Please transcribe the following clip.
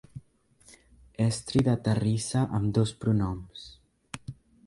Estri de terrissa amb dos pronoms.